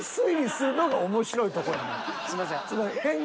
今すいません。